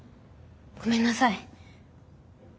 ごめんなさい。